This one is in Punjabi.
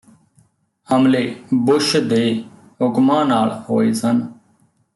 ਹਮਲੇ ਬੁੱਸ਼ ਦੇ ਹੁਕਮਾਂ ਨਾਲ ਹੋਏ ਸਨ